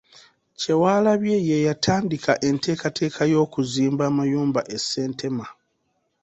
Kyewalabye y'eyatandika enteekateeka y’okuzimba amayumba e Ssentema.